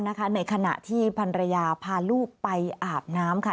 ในขณะที่พันรยาพาลูกไปอาบน้ำค่ะ